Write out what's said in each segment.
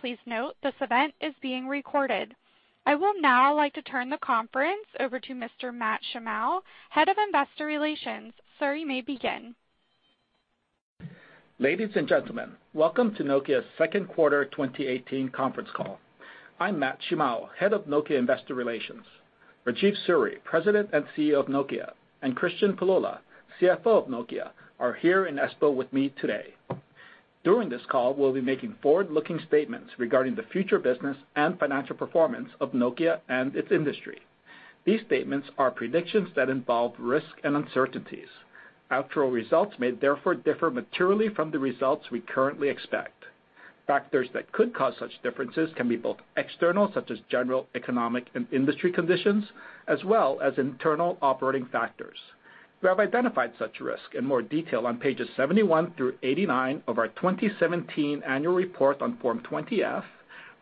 Please note this event is being recorded. I will now like to turn the conference over to Mr. Matt Shimao, Head of Investor Relations. Sir, you may begin. Ladies and gentlemen, welcome to Nokia's second quarter 2018 conference call. I'm Matt Shimao, Head of Nokia Investor Relations. Rajeev Suri, President and CEO of Nokia, and Kristian Pullola, CFO of Nokia, are here in Espoo with me today. During this call, we'll be making forward-looking statements regarding the future business and financial performance of Nokia and its industry. These statements are predictions that involve risks and uncertainties. Actual results may therefore differ materially from the results we currently expect. Factors that could cause such differences can be both external, such as general economic and industry conditions, as well as internal operating factors. We have identified such risks in more detail on pages 71 through 89 of our 2017 annual report on Form 20-F,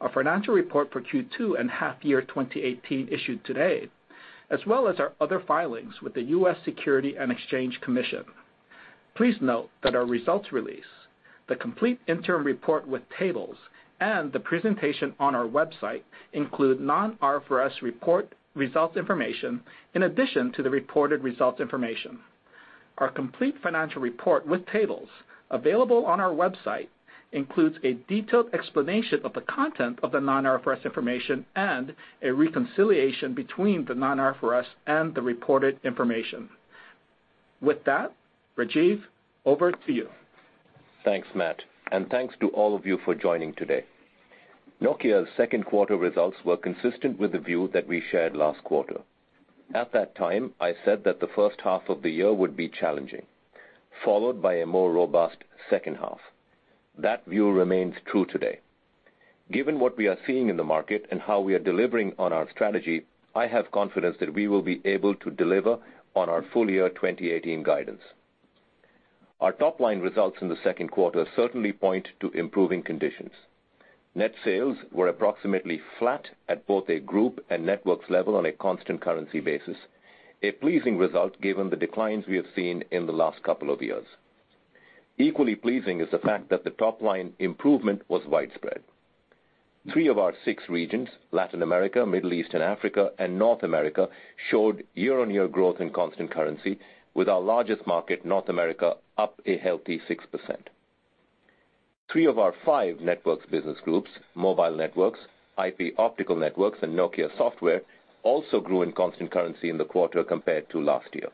our financial report for Q2 and half year 2018 issued today, as well as our other filings with the U.S. Securities and Exchange Commission. Please note that our results release, the complete interim report with tables, and the presentation on our website include non-IFRS report results information in addition to the reported results information. Our complete financial report with tables available on our website includes a detailed explanation of the content of the non-IFRS information and a reconciliation between the non-IFRS and the reported information. With that, Rajeev, over to you. Thanks, Matt, and thanks to all of you for joining today. Nokia's second quarter results were consistent with the view that we shared last quarter. At that time, I said that the first half of the year would be challenging, followed by a more robust second half. That view remains true today. Given what we are seeing in the market and how we are delivering on our strategy, I have confidence that we will be able to deliver on our full year 2018 guidance. Our top-line results in the second quarter certainly point to improving conditions. Net sales were approximately flat at both a group and networks level on a constant currency basis, a pleasing result given the declines we have seen in the last couple of years. Equally pleasing is the fact that the top-line improvement was widespread. Three of our six regions, Latin America, Middle East and Africa, and North America, showed year-on-year growth in constant currency with our largest market, North America, up a healthy 6%. Three of our five Networks business groups, Mobile Networks, IP Optical Networks, and Nokia Software, also grew in constant currency in the quarter compared to last year.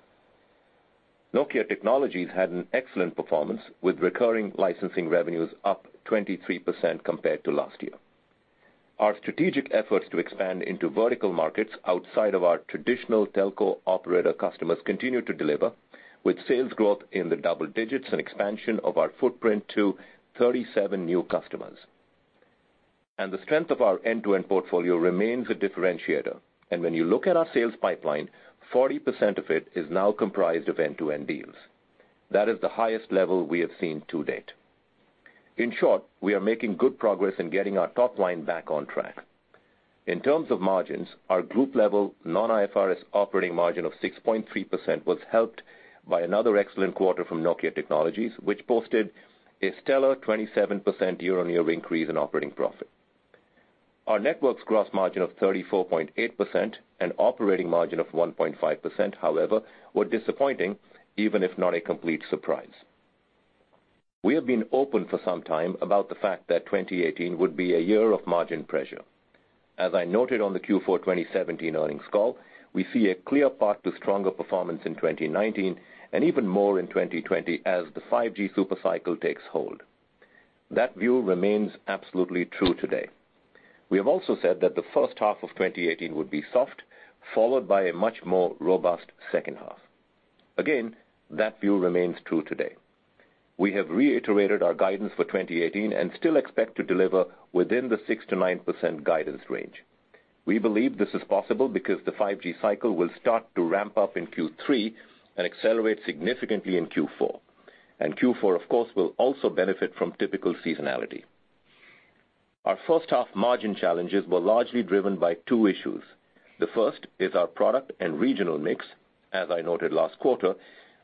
Nokia Technologies had an excellent performance with recurring licensing revenues up 23% compared to last year. Our strategic efforts to expand into vertical markets outside of our traditional telco operator customers continue to deliver, with sales growth in the double digits and expansion of our footprint to 37 new customers. The strength of our end-to-end portfolio remains a differentiator. When you look at our sales pipeline, 40% of it is now comprised of end-to-end deals. That is the highest level we have seen to date. In short, we are making good progress in getting our top line back on track. In terms of margins, our group-level non-IFRS operating margin of 6.3% was helped by another excellent quarter from Nokia Technologies, which posted a stellar 27% year-on-year increase in operating profit. Our Networks gross margin of 34.8% and operating margin of 1.5%, however, were disappointing, even if not a complete surprise. We have been open for some time about the fact that 2018 would be a year of margin pressure. As I noted on the Q4 2017 earnings call, we see a clear path to stronger performance in 2019 and even more in 2020 as the 5G super cycle takes hold. That view remains absolutely true today. We have also said that the first half of 2018 would be soft, followed by a much more robust second half. Again, that view remains true today. We have reiterated our guidance for 2018 and still expect to deliver within the 6%-9% guidance range. We believe this is possible because the 5G cycle will start to ramp up in Q3 and accelerate significantly in Q4. Q4, of course, will also benefit from typical seasonality. Our first half margin challenges were largely driven by two issues. The first is our product and regional mix, as I noted last quarter.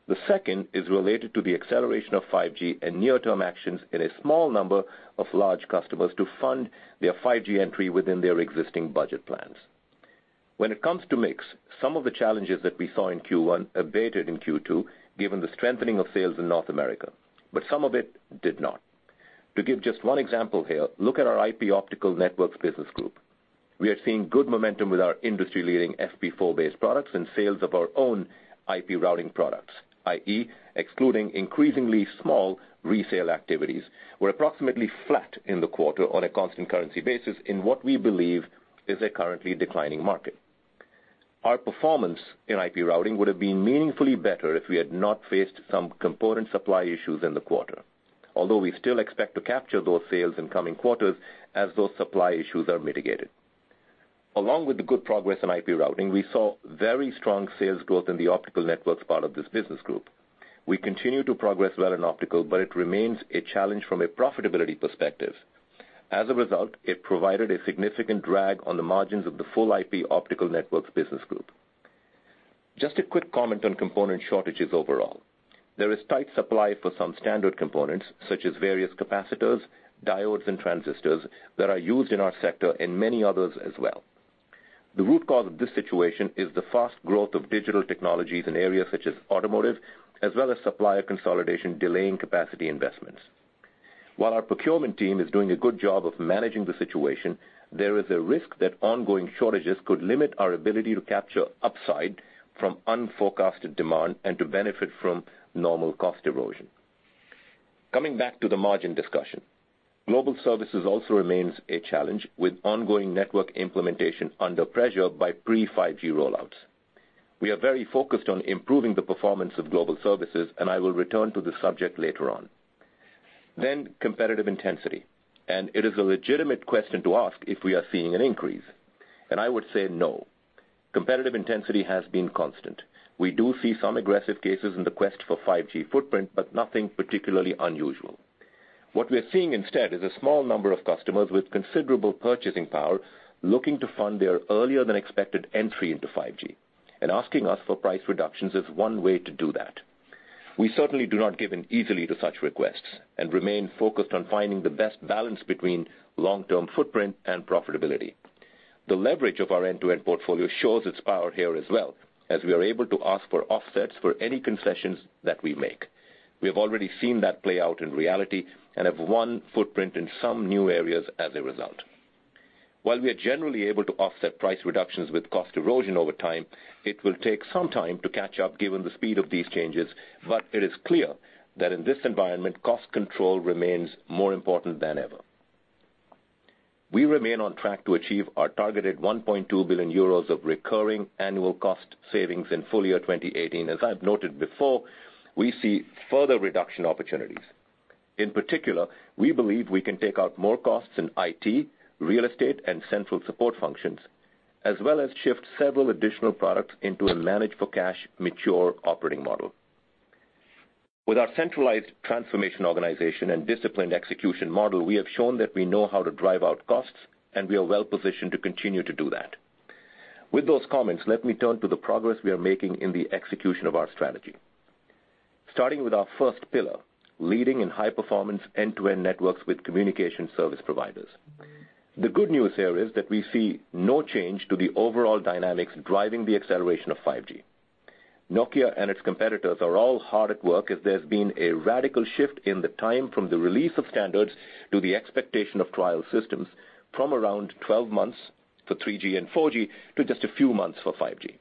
The second is related to the acceleration of 5G and near-term actions in a small number of large customers to fund their 5G entry within their existing budget plans. When it comes to mix, some of the challenges that we saw in Q1 abated in Q2 given the strengthening of sales in North America, but some of it did not. To give just one example here, look at our IP Optical Networks business group. We are seeing good momentum with our industry-leading FP4-based products and sales of our own IP routing products, i.e., excluding increasingly small resale activities. We are approximately flat in the quarter on a constant currency basis in what we believe is a currently declining market. Our performance in IP routing would have been meaningfully better if we had not faced some component supply issues in the quarter. Although we still expect to capture those sales in coming quarters as those supply issues are mitigated. Along with the good progress in IP routing, we saw very strong sales growth in the Optical Networks part of this business group. We continue to progress well in Optical, but it remains a challenge from a profitability perspective. As a result, it provided a significant drag on the margins of the full IP Optical Networks business group. Just a quick comment on component shortages overall. There is tight supply for some standard components, such as various capacitors, diodes, and transistors that are used in our sector and many others as well. The root cause of this situation is the fast growth of digital technologies in areas such as automotive, as well as supplier consolidation delaying capacity investments. While our procurement team is doing a good job of managing the situation, there is a risk that ongoing shortages could limit our ability to capture upside from unforecasted demand and to benefit from normal cost erosion. Coming back to the margin discussion. Global Services also remains a challenge, with ongoing network implementation under pressure by pre-5G rollouts. We are very focused on improving the performance of Global Services, and I will return to the subject later on. Competitive intensity, and it is a legitimate question to ask if we are seeing an increase, and I would say no. Competitive intensity has been constant. We do see some aggressive cases in the quest for 5G footprint, but nothing particularly unusual. What we're seeing instead is a small number of customers with considerable purchasing power looking to fund their earlier than expected entry into 5G and asking us for price reductions as one way to do that. We certainly do not give in easily to such requests and remain focused on finding the best balance between long-term footprint and profitability. The leverage of our end-to-end portfolio shows its power here as well, as we are able to ask for offsets for any concessions that we make. We have already seen that play out in reality and have one footprint in some new areas as a result. While we are generally able to offset price reductions with cost erosion over time, it will take some time to catch up given the speed of these changes, but it is clear that in this environment, cost control remains more important than ever. We remain on track to achieve our targeted 1.2 billion euros of recurring annual cost savings in full year 2018. As I've noted before, we see further reduction opportunities. In particular, we believe we can take out more costs in IT, real estate, and central support functions, as well as shift several additional products into a manage for cash mature operating model. With our centralized transformation organization and disciplined execution model, we have shown that we know how to drive out costs, and we are well-positioned to continue to do that. With those comments, let me turn to the progress we are making in the execution of our strategy. Starting with our first pillar, leading in high performance end-to-end networks with communication service providers. The good news here is that we see no change to the overall dynamics driving the acceleration of 5G. Nokia and its competitors are all hard at work as there's been a radical shift in the time from the release of standards to the expectation of trial systems from around 12 months for 3G and 4G to just a few months for 5G.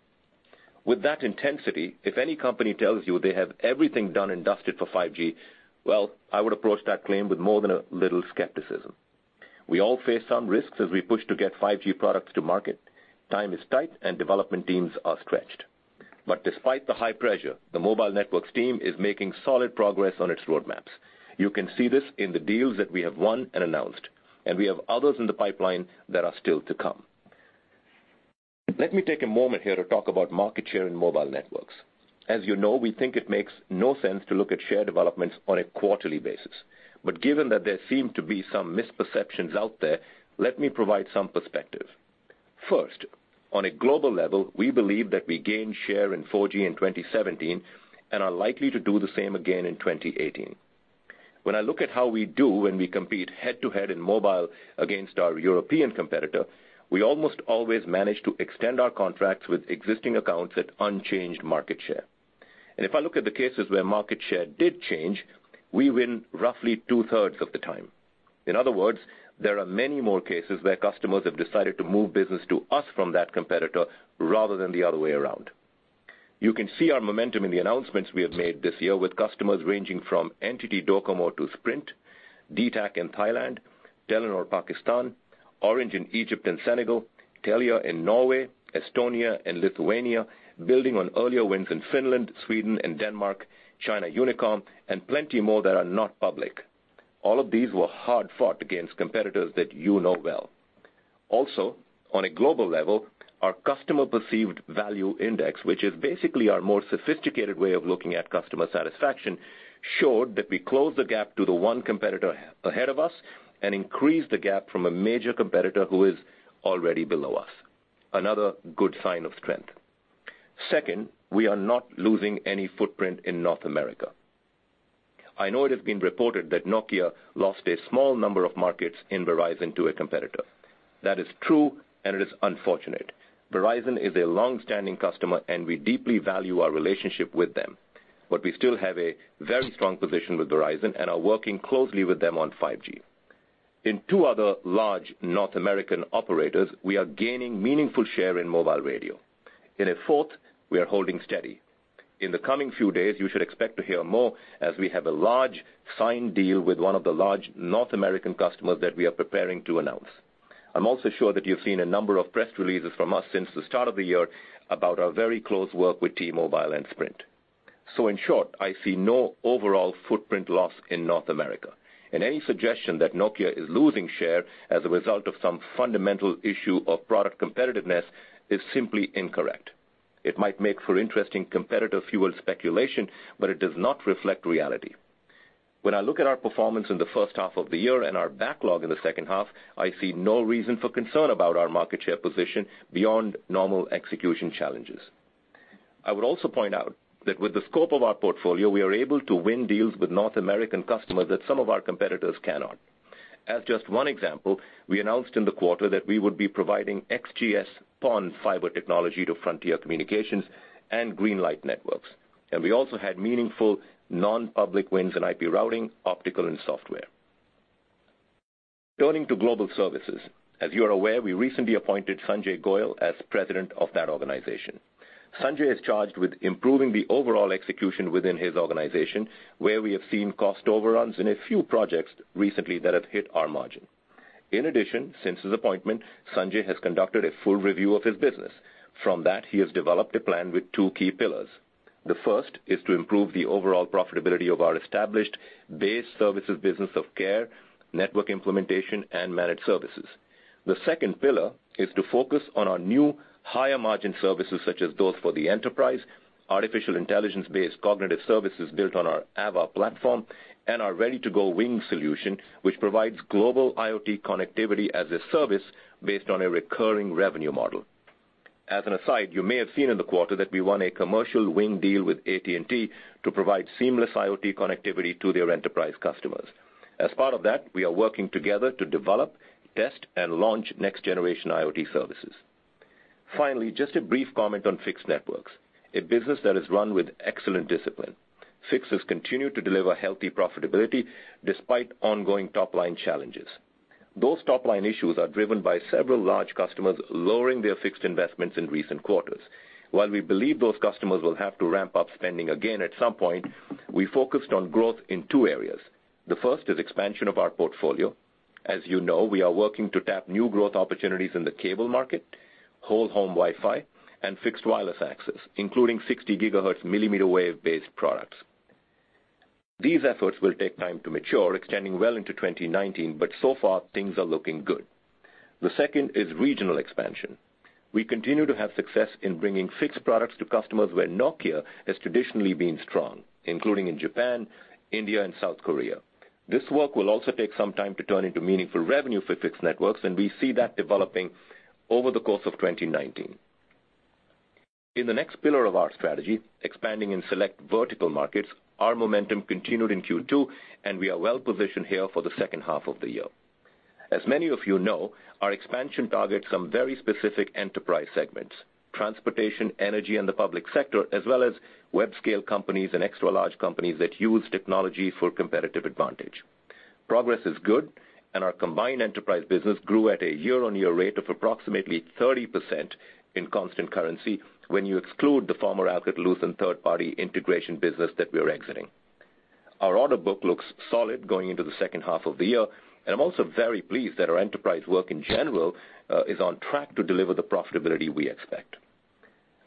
With that intensity, if any company tells you they have everything done and dusted for 5G, well, I would approach that claim with more than a little skepticism. We all face some risks as we push to get 5G products to market. Time is tight, and development teams are stretched. Despite the high pressure, the Mobile Networks team is making solid progress on its roadmaps. You can see this in the deals that we have won and announced, and we have others in the pipeline that are still to come. Let me take a moment here to talk about market share in Mobile Networks. As you know, we think it makes no sense to look at share developments on a quarterly basis. Given that there seem to be some misperceptions out there, let me provide some perspective. First, on a global level, we believe that we gained share in 4G in 2017 and are likely to do the same again in 2018. When I look at how we do when we compete head-to-head in mobile against our European competitor, we almost always manage to extend our contracts with existing accounts at unchanged market share. If I look at the cases where market share did change, we win roughly two-thirds of the time. In other words, there are many more cases where customers have decided to move business to us from that competitor rather than the other way around. You can see our momentum in the announcements we have made this year with customers ranging from NTT Docomo to Sprint, DTAC in Thailand, Telenor Pakistan, Orange in Egypt and Senegal, Telia in Norway, Estonia, and Lithuania, building on earlier wins in Finland, Sweden, and Denmark, China Unicom, and plenty more that are not public. All of these were hard-fought against competitors that you know well. On a global level, our customer perceived value index, which is basically our more sophisticated way of looking at customer satisfaction, showed that we closed the gap to the one competitor ahead of us and increased the gap from a major competitor who is already below us. Another good sign of strength. Second, we are not losing any footprint in North America. I know it has been reported that Nokia lost a small number of markets in Verizon to a competitor. That is true, and it is unfortunate. Verizon is a long-standing customer, and we deeply value our relationship with them. We still have a very strong position with Verizon and are working closely with them on 5G. In two other large North American operators, we are gaining meaningful share in mobile radio. In a fourth, we are holding steady. In the coming few days, you should expect to hear more as we have a large signed deal with one of the large North American customers that we are preparing to announce. I'm also sure that you've seen a number of press releases from us since the start of the year about our very close work with T-Mobile and Sprint. In short, I see no overall footprint loss in North America. Any suggestion that Nokia is losing share as a result of some fundamental issue of product competitiveness is simply incorrect. It might make for interesting competitor-fueled speculation, but it does not reflect reality. When I look at our performance in the first half of the year and our backlog in the second half, I see no reason for concern about our market share position beyond normal execution challenges. I would also point out that with the scope of our portfolio, we are able to win deals with North American customers that some of our competitors cannot. As just one example, we announced in the quarter that we would be providing XGS-PON fiber technology to Frontier Communications and Greenlight Networks. We also had meaningful non-public wins in IP routing, optical, and software. Turning to global services. As you are aware, we recently appointed Sanjay Goel as president of that organization. Sanjay is charged with improving the overall execution within his organization, where we have seen cost overruns in a few projects recently that have hit our margin. In addition, since his appointment, Sanjay has conducted a full review of his business. From that, he has developed a plan with two key pillars. The first is to improve the overall profitability of our established base services business of care, network implementation, and managed services. The second pillar is to focus on our new higher-margin services, such as those for the enterprise, artificial intelligence-based cognitive services built on our AVA platform, and our ready-to-go WING solution, which provides global IoT connectivity as a service based on a recurring revenue model. As an aside, you may have seen in the quarter that we won a commercial WING deal with AT&T to provide seamless IoT connectivity to their enterprise customers. As part of that, we are working together to develop, test, and launch next-generation IoT services. Finally, just a brief comment on Fixed Networks, a business that is run with excellent discipline. Fixed has continued to deliver healthy profitability despite ongoing top-line challenges. Those top-line issues are driven by several large customers lowering their Fixed investments in recent quarters. While we believe those customers will have to ramp up spending again at some point, we focused on growth in two areas. The first is expansion of our portfolio. As you know, we are working to tap new growth opportunities in the cable market, whole-home Wi-Fi, and fixed wireless access, including 60 gigahertz millimeter wave-based products. These efforts will take time to mature, extending well into 2019, but so far things are looking good. The second is regional expansion. We continue to have success in bringing Fixed products to customers where Nokia has traditionally been strong, including in Japan, India, and South Korea. This work will also take some time to turn into meaningful revenue for Fixed Networks, and we see that developing over the course of 2019. In the next pillar of our strategy, expanding in select vertical markets, our momentum continued in Q2. We are well positioned here for the second half of the year. As many of you know, our expansion targets some very specific enterprise segments: transportation, energy, and the public sector, as well as web-scale companies and extra-large companies that use technology for competitive advantage. Our combined enterprise business grew at a year-on-year rate of approximately 30% in constant currency when you exclude the former Alcatel-Lucent third-party integration business that we are exiting. Our order book looks solid going into the second half of the year. I'm also very pleased that our enterprise work in general is on track to deliver the profitability we expect.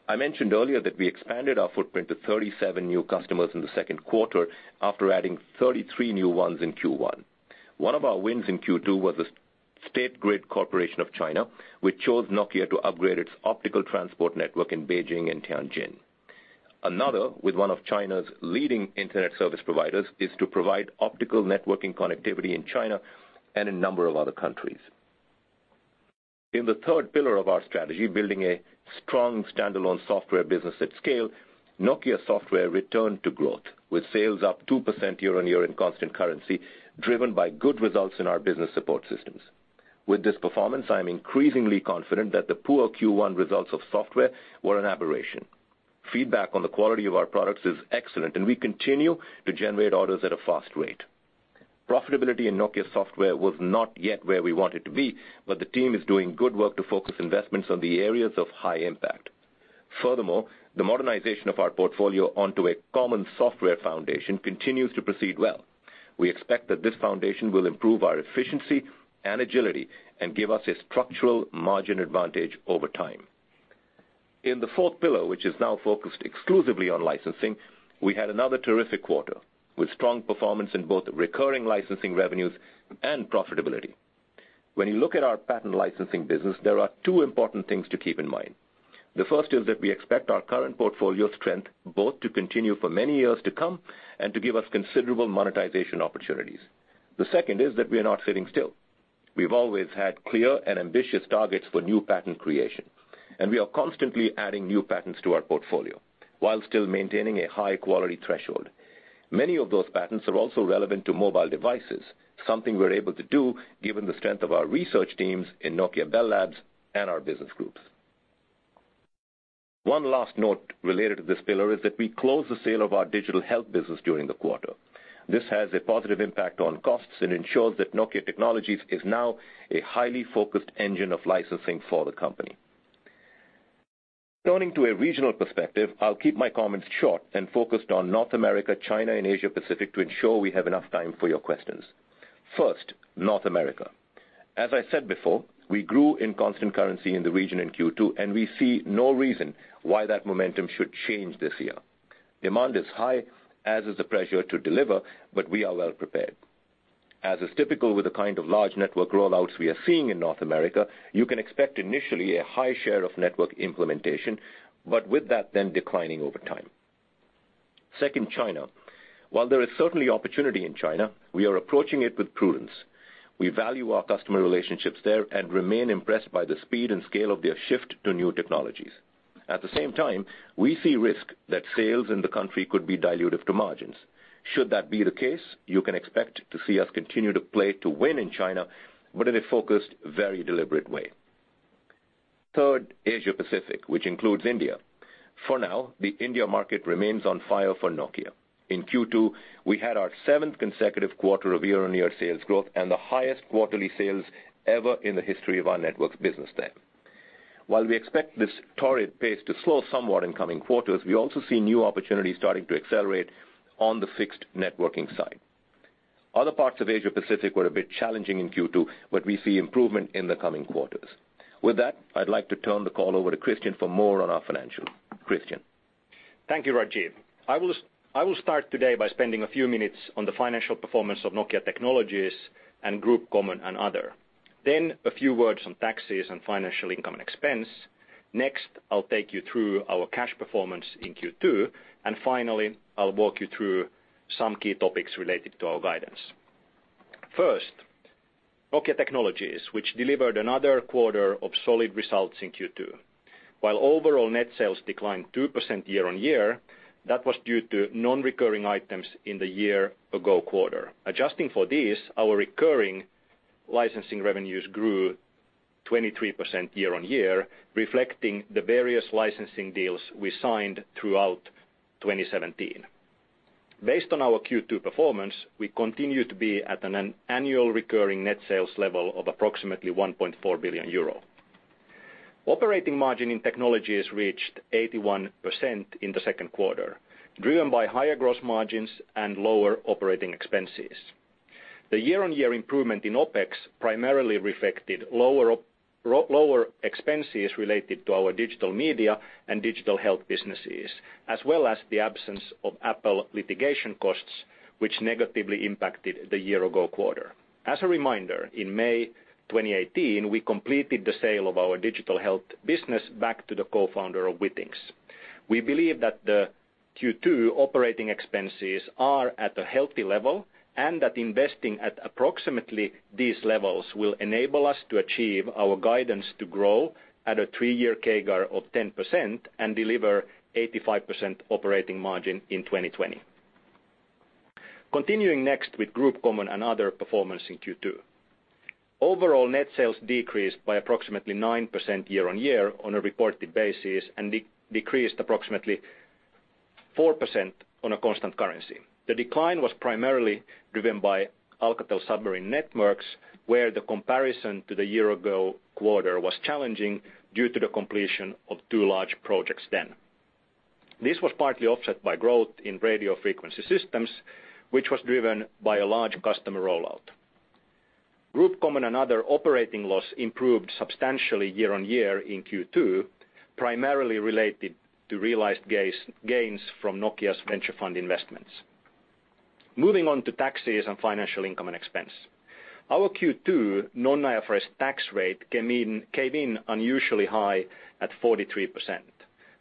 I mentioned earlier that we expanded our footprint to 37 new customers in the second quarter after adding 33 new ones in Q1. One of our wins in Q2 was the State Grid Corporation of China, which chose Nokia to upgrade its optical transport network in Beijing and Tianjin. Another, with one of China's leading internet service providers, is to provide optical networking connectivity in China and a number of other countries. In the third pillar of our strategy, building a strong standalone software business at scale, Nokia Software returned to growth, with sales up 2% year-on-year in constant currency, driven by good results in our business support systems. With this performance, I'm increasingly confident that the poor Q1 results of software were an aberration. Feedback on the quality of our products is excellent, and we continue to generate orders at a fast rate. Profitability in Nokia Software was not yet where we want it to be, but the team is doing good work to focus investments on the areas of high impact. Furthermore, the modernization of our portfolio onto a common software foundation continues to proceed well. We expect that this foundation will improve our efficiency and agility and give us a structural margin advantage over time. In the fourth pillar, which is now focused exclusively on licensing, we had another terrific quarter, with strong performance in both recurring licensing revenues and profitability. When you look at our patent licensing business, there are two important things to keep in mind. The first is that we expect our current portfolio strength both to continue for many years to come and to give us considerable monetization opportunities. The second is that we are not sitting still. We've always had clear and ambitious targets for new patent creation, we are constantly adding new patents to our portfolio while still maintaining a high-quality threshold. Many of those patents are also relevant to mobile devices, something we're able to do given the strength of our research teams in Nokia Bell Labs and our business groups. One last note related to this pillar is that we closed the sale of our digital health business during the quarter. This has a positive impact on costs and ensures that Nokia Technologies is now a highly focused engine of licensing for the company. Turning to a regional perspective, I'll keep my comments short and focused on North America, China, and Asia Pacific to ensure we have enough time for your questions. First, North America. As I said before, we grew in constant currency in the region in Q2, we see no reason why that momentum should change this year. Demand is high, as is the pressure to deliver, we are well prepared. As is typical with the kind of large network rollouts we are seeing in North America, you can expect initially a high share of network implementation, with that then declining over time. Second, China. While there is certainly opportunity in China, we are approaching it with prudence. We value our customer relationships there and remain impressed by the speed and scale of their shift to new technologies. At the same time, we see risk that sales in the country could be dilutive to margins. Should that be the case, you can expect to see us continue to play to win in China, but in a focused, very deliberate way. Third, Asia-Pacific, which includes India. For now, the India market remains on fire for Nokia. In Q2, we had our seventh consecutive quarter of year-on-year sales growth and the highest quarterly sales ever in the history of our networks business there. While we expect this torrid pace to slow somewhat in coming quarters, we also see new opportunities starting to accelerate on the Fixed Networks side. Other parts of Asia-Pacific were a bit challenging in Q2, but we see improvement in the coming quarters. With that, I'd like to turn the call over to Kristian for more on our financials. Kristian? Thank you, Rajeev. I will start today by spending a few minutes on the financial performance of Nokia Technologies and Group Common and Other. A few words on taxes and financial income and expense. I'll take you through our cash performance in Q2. Finally, I'll walk you through some key topics related to our guidance. First, Nokia Technologies, which delivered another quarter of solid results in Q2. While overall net sales declined 2% year-on-year, that was due to non-recurring items in the year-ago quarter. Adjusting for this, our recurring licensing revenues grew 23% year-on-year, reflecting the various licensing deals we signed throughout 2017. Based on our Q2 performance, we continue to be at an annual recurring net sales level of approximately 1.4 billion euro. Operating margin in Technologies reached 81% in the second quarter, driven by higher gross margins and lower operating expenses. The year-on-year improvement in OpEx primarily reflected lower expenses related to our digital media and digital health businesses, as well as the absence of Apple litigation costs, which negatively impacted the year-ago quarter. As a reminder, in May 2018, we completed the sale of our digital health business back to the co-founder of Withings. We believe that the Q2 operating expenses are at a healthy level, and that investing at approximately these levels will enable us to achieve our guidance to grow at a three-year CAGR of 10% and deliver 85% operating margin in 2020. Continuing with Group Common and Other performance in Q2. Overall net sales decreased by approximately 9% year-on-year on a reported basis and decreased approximately 4% on a constant currency. The decline was primarily driven by Alcatel Submarine Networks, where the comparison to the year-ago quarter was challenging due to the completion of two large projects then. This was partly offset by growth in radio frequency systems, which was driven by a large customer rollout. Group Common and Other operating loss improved substantially year-on-year in Q2, primarily related to realized gains from Nokia's venture fund investments. Moving on to taxes and financial income and expense. Our Q2 non-IFRS tax rate came in unusually high at 43%.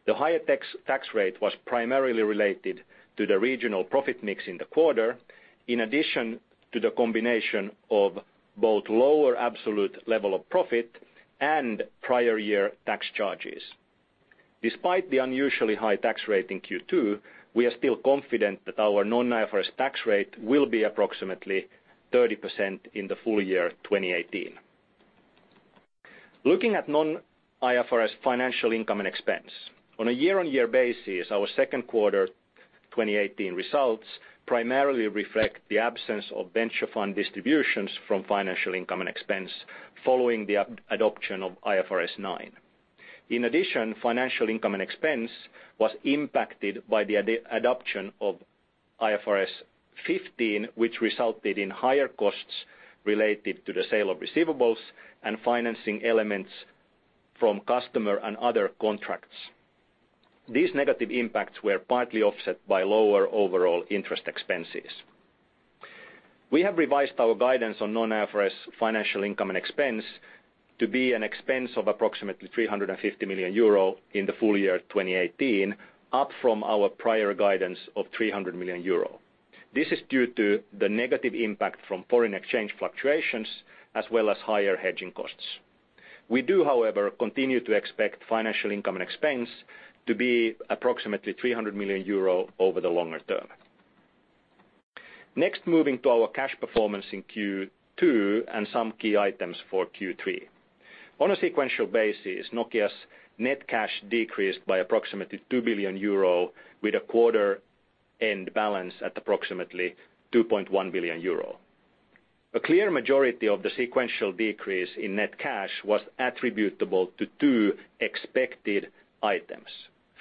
The higher tax rate was primarily related to the regional profit mix in the quarter, in addition to the combination of both lower absolute level of profit and prior year tax charges. Despite the unusually high tax rate in Q2, we are still confident that our non-IFRS tax rate will be approximately 30% in the full year 2018. Looking at non-IFRS financial income and expense. On a year-on-year basis, our second quarter 2018 results primarily reflect the absence of venture fund distributions from financial income and expense following the adoption of IFRS 9. In addition, financial income and expense was impacted by the adoption of IFRS 15, which resulted in higher costs related to the sale of receivables and financing elements from customer and other contracts. These negative impacts were partly offset by lower overall interest expenses. We have revised our guidance on non-IFRS financial income and expense to be an expense of approximately 350 million euro in the full year 2018, up from our prior guidance of 300 million euro. This is due to the negative impact from foreign exchange fluctuations as well as higher hedging costs. We do, however, continue to expect financial income and expense to be approximately 300 million euro over the longer term. Next, moving to our cash performance in Q2 and some key items for Q3. On a sequential basis, Nokia's net cash decreased by approximately 2 billion euro with a quarter-end balance at approximately 2.1 billion euro. A clear majority of the sequential decrease in net cash was attributable to two expected items.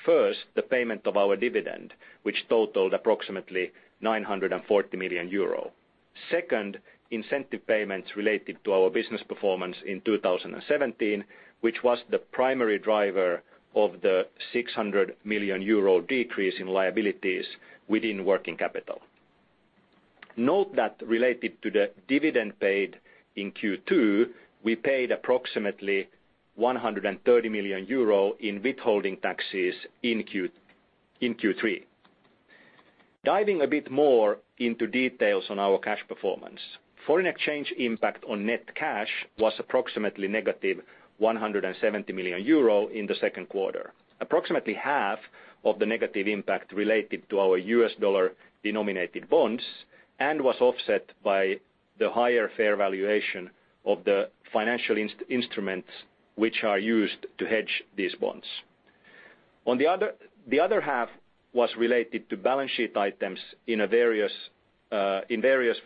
First, the payment of our dividend, which totaled approximately 940 million euro. Second, incentive payments related to our business performance in 2017, which was the primary driver of the 600 million euro decrease in liabilities within working capital. Note that related to the dividend paid in Q2, we paid approximately 130 million euro in withholding taxes in Q3. Diving a bit more into details on our cash performance. Foreign exchange impact on net cash was approximately negative 170 million euro in the second quarter. Approximately half of the negative impact related to our US dollar denominated bonds and was offset by the higher fair valuation of the financial instruments which are used to hedge these bonds. The other half was related to balance sheet items in various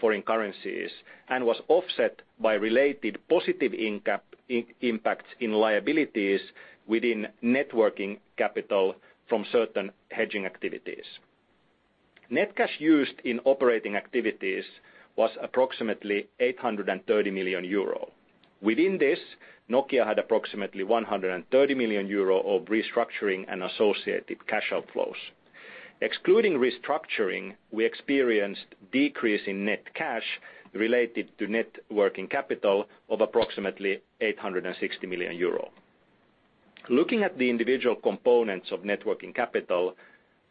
foreign currencies and was offset by related positive impacts in liabilities within net working capital from certain hedging activities. Net cash used in operating activities was approximately 830 million euro. Within this, Nokia had approximately 130 million euro of restructuring and associated cash outflows. Excluding restructuring, we experienced decrease in net cash related to net working capital of approximately 860 million euro. Looking at the individual components of net working capital,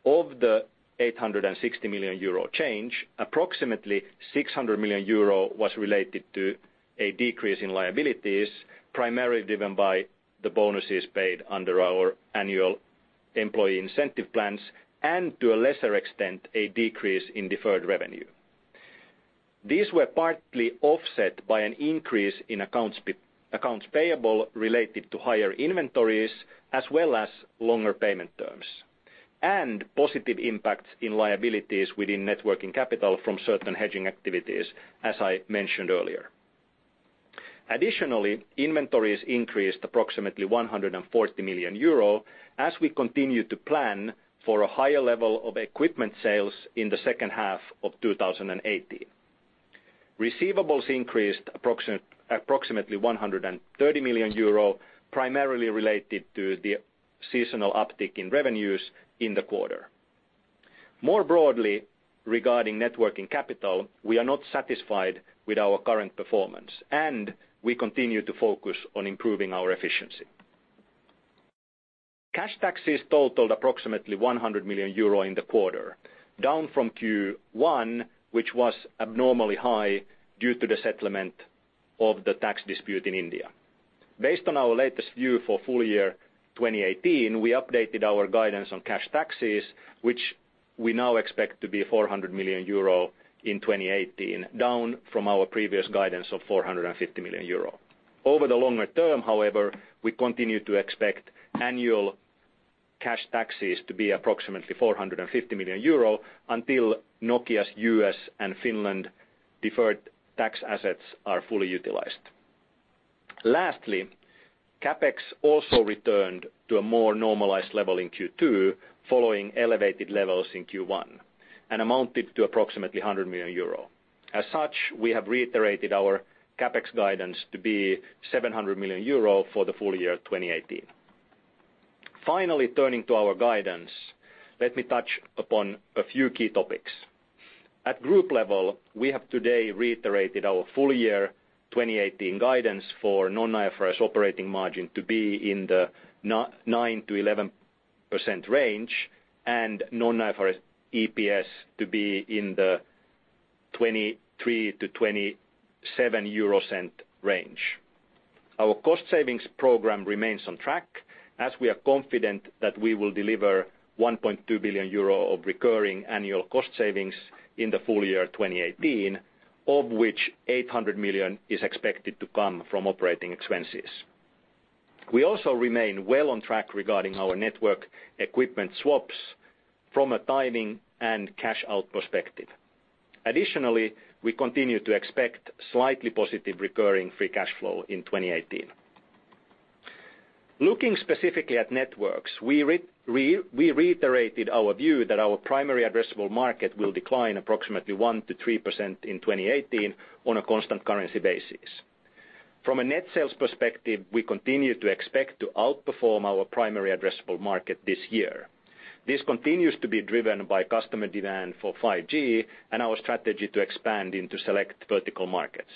of the 860 million euro change, approximately 600 million euro was related to a decrease in liabilities, primarily driven by the bonuses paid under our annual employee incentive plans, and to a lesser extent, a decrease in deferred revenue. These were partly offset by an increase in accounts payable related to higher inventories, as well as longer payment terms. Positive impacts in liabilities within net working capital from certain hedging activities, as I mentioned earlier. Additionally, inventories increased approximately 140 million euro as we continue to plan for a higher level of equipment sales in the second half of 2018. Receivables increased approximately 130 million euro, primarily related to the seasonal uptick in revenues in the quarter. More broadly regarding net working capital, we are not satisfied with our current performance, and we continue to focus on improving our efficiency. Cash taxes totaled approximately 100 million euro in the quarter, down from Q1, which was abnormally high due to the settlement of the tax dispute in India. Based on our latest view for full year 2018, we updated our guidance on cash taxes, which we now expect to be 400 million euro in 2018, down from our previous guidance of 450 million euro. Over the longer term, however, we continue to expect annual cash taxes to be approximately 450 million euro until Nokia's U.S. and Finland deferred tax assets are fully utilized. Lastly, CapEx also returned to a more normalized level in Q2 following elevated levels in Q1 and amounted to approximately 100 million euro. As such, we have reiterated our CapEx guidance to be 700 million euro for the full year 2018. Turning to our guidance, let me touch upon a few key topics. At group level, we have today reiterated our full year 2018 guidance for non-IFRS operating margin to be in the 9%-11% range and non-IFRS EPS to be in the 0.23-0.27 euro range. Our cost savings program remains on track as we are confident that we will deliver 1.2 billion euro of recurring annual cost savings in the full year 2018, of which 800 million is expected to come from operating expenses. We also remain well on track regarding our network equipment swaps from a timing and cash out perspective. Additionally, we continue to expect slightly positive recurring free cash flow in 2018. Looking specifically at networks, we reiterated our view that our primary addressable market will decline approximately 1%-3% in 2018 on a constant currency basis. From a net sales perspective, we continue to expect to outperform our primary addressable market this year. This continues to be driven by customer demand for 5G and our strategy to expand into select vertical markets.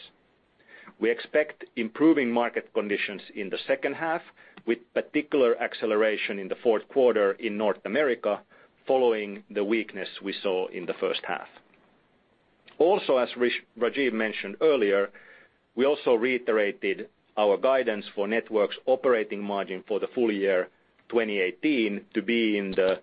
We expect improving market conditions in the second half, with particular acceleration in the fourth quarter in North America following the weakness we saw in the first half. As Rajeev mentioned earlier, we also reiterated our guidance for networks operating margin for the full year 2018 to be in the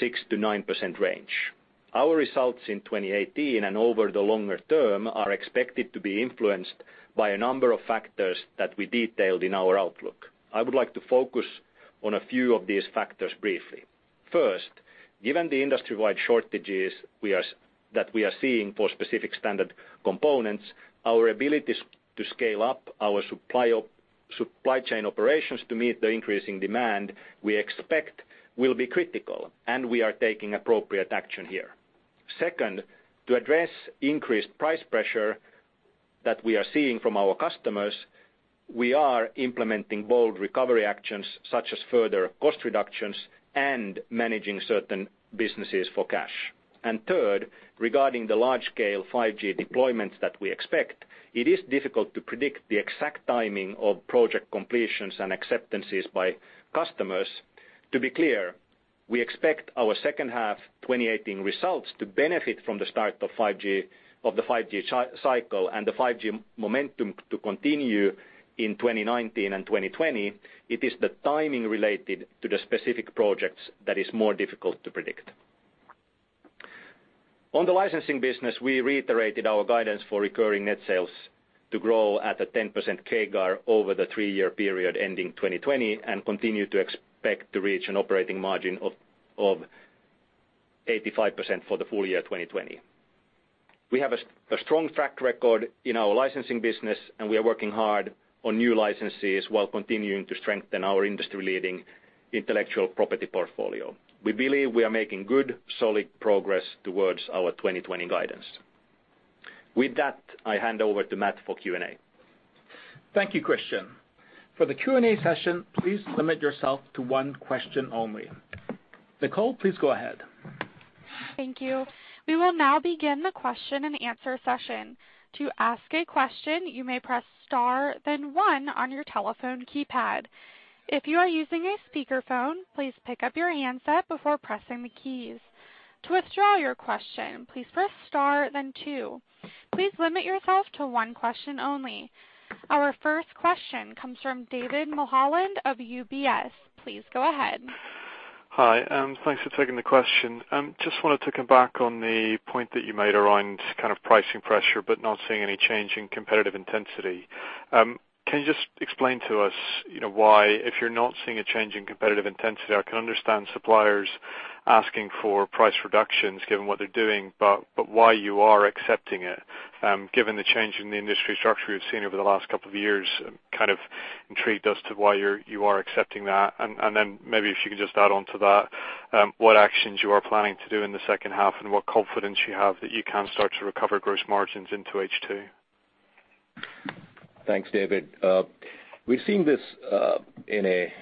6%-9% range. Our results in 2018 and over the longer term are expected to be influenced by a number of factors that we detailed in our outlook. I would like to focus on a few of these factors briefly. First, given the industry-wide shortages that we are seeing for specific standard components, our ability to scale up our supply chain operations to meet the increasing demand, we expect will be critical, and we are taking appropriate action here. Second, to address increased price pressure that we are seeing from our customers, we are implementing bold recovery actions, such as further cost reductions and managing certain businesses for cash. Third, regarding the large-scale 5G deployments that we expect, it is difficult to predict the exact timing of project completions and acceptances by customers. To be clear, we expect our second half 2018 results to benefit from the start of the 5G cycle and the 5G momentum to continue in 2019 and 2020. It is the timing related to the specific projects that is more difficult to predict. On the licensing business, we reiterated our guidance for recurring net sales to grow at a 10% CAGR over the three-year period ending 2020 and continue to expect to reach an operating margin of 85% for the full year 2020. We have a strong track record in our licensing business, and we are working hard on new licensees while continuing to strengthen our industry-leading intellectual property portfolio. We believe we are making good, solid progress towards our 2020 guidance. With that, I hand over to Matt for Q&A. Thank you, Kristian. For the Q&A session, please limit yourself to one question only. Nicole, please go ahead. Thank you. We will now begin the question and answer session. To ask a question, you may press star then one on your telephone keypad. If you are using a speakerphone, please pick up your handset before pressing the keys. To withdraw your question, please press star then two. Please limit yourself to one question only. Our first question comes from David Mulholland of UBS. Please go ahead. Hi, and thanks for taking the question. Just wanted to come back on the point that you made around kind of pricing pressure, but not seeing any change in competitive intensity. Can you just explain to us why, if you're not seeing a change in competitive intensity, I can understand suppliers asking for price reductions given what they're doing, but why you are accepting it? Given the change in the industry structure we've seen over the last couple of years, I'm kind of intrigued as to why you are accepting that. Then maybe if you can just add on to that, what actions you are planning to do in the second half and what confidence you have that you can start to recover gross margins into H2? Thanks, David. We've seen this in a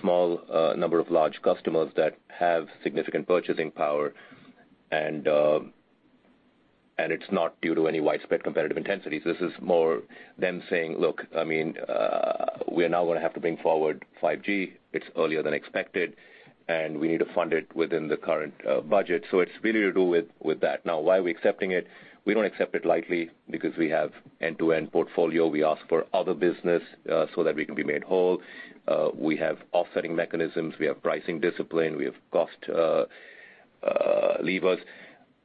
small number of large customers that have significant purchasing power. It's not due to any widespread competitive intensity. This is more them saying, "Look, we're now going to have to bring forward 5G. It's earlier than expected, and we need to fund it within the current budget." It's really to do with that. Now, why are we accepting it? We don't accept it lightly because we have end-to-end portfolio. We ask for other business so that we can be made whole. We have offsetting mechanisms. We have pricing discipline. We have cost levers.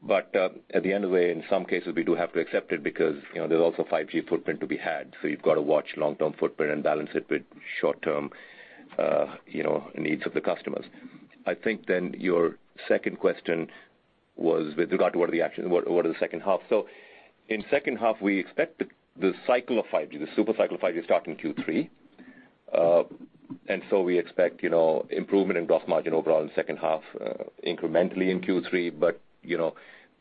At the end of the day, in some cases, we do have to accept it because there's also 5G footprint to be had. You've got to watch long-term footprint and balance it with short-term needs of the customers. I think your second question was with regard to what are the actions, what are the second half. In second half, we expect the cycle of 5G, the super cycle of 5G, to start in Q3. We expect improvement in gross margin overall in second half incrementally in Q3, but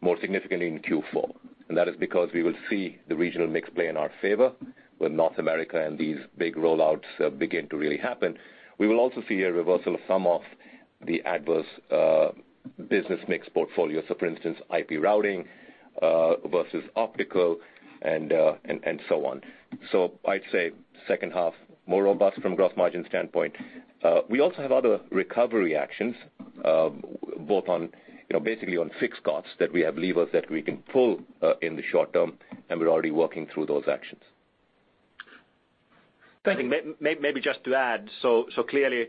more significantly in Q4. That is because we will see the regional mix play in our favor when North America and these big rollouts begin to really happen. We will also see a reversal of some of the adverse business mix portfolio. For instance, IP routing versus optical and so on. I'd say second half, more robust from gross margin standpoint. We also have other recovery actions, both on basically on fixed costs that we have levers that we can pull in the short term, and we're already working through those actions. Thank you. Maybe just to add, clearly,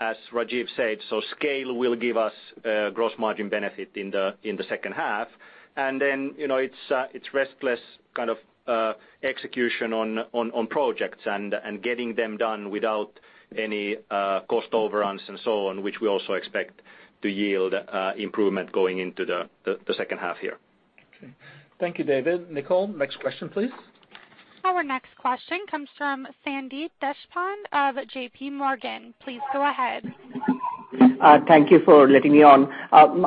as Rajeev said, scale will give us gross margin benefit in the second half. It's restless kind of execution on projects and getting them done without any cost overruns and so on, which we also expect to yield improvement going into the second half here. Okay. Thank you, David. Nicole, next question, please. Our next question comes from Sandeep Deshpande of J.P. Morgan. Please go ahead. Thank you for letting me on.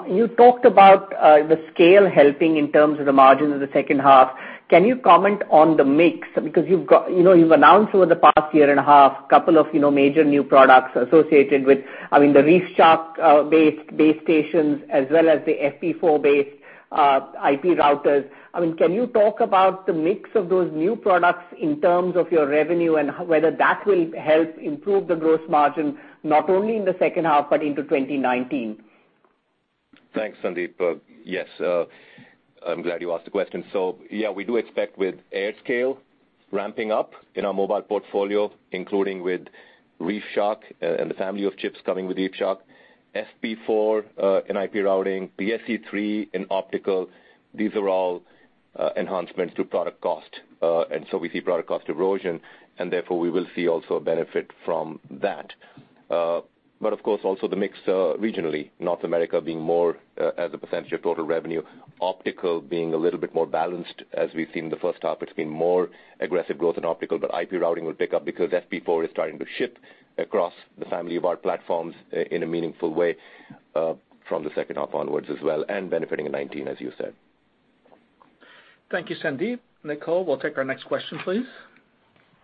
You talked about the scale helping in terms of the margin in the second half. Can you comment on the mix? You've announced over the past year and a half couple of major new products associated with the ReefShark-based base stations as well as the FP4-based IP routers. Can you talk about the mix of those new products in terms of your revenue and whether that will help improve the gross margin, not only in the second half but into 2019? Thanks, Sandeep. Yes, I'm glad you asked the question. Yeah, we do expect with AirScale ramping up in our mobile portfolio, including with ReefShark and the family of chips coming with ReefShark, FP4 in IP routing, PSE-3 in optical, these are all enhancements to product cost. We see product cost erosion, and therefore we will see also a benefit from that. Of course, also the mix regionally, North America being more as a percentage of total revenue, optical being a little bit more balanced as we've seen in the first half. It's been more aggressive growth in optical, but IP routing will pick up because FP4 is starting to ship across the family of our platforms in a meaningful way. From the second half onwards as well, and benefiting in 2019, as you said. Thank you, Sandeep. Nicole, we'll take our next question, please.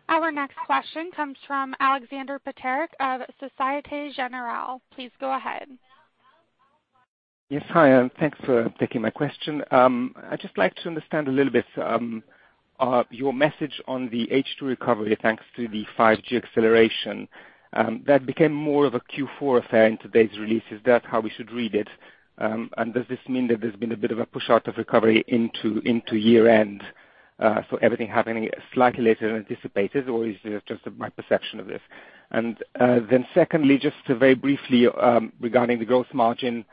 Our next question comes from Aleksander Peterc of Societe Generale. Please go ahead. Yes. Hi. Thanks for taking my question. I'd just like to understand a little bit, your message on the H2 recovery, thanks to the 5G acceleration. That became more of a Q4 affair in today's release. Is that how we should read it? Does this mean that there's been a bit of a push out of recovery into year-end, so everything happening slightly later than anticipated, or is this just my perception of this? Then secondly, just very briefly, regarding the gross margin